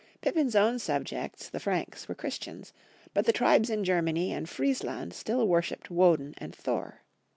Pippin's own subjects, the Franks, were Chris tians ; but the tribes in Germany and Friesland still worshiped Woden and Thor.